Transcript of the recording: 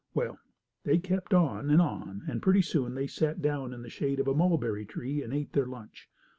Well, they kept on and on, and pretty soon they sat down in the shade of a mulberry tree and ate their lunch.